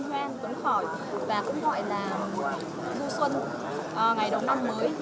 cảm giác của mình thì thấy rất là hân hoan tuấn khỏi và cũng gọi là bu xuân ngày đầu năm mới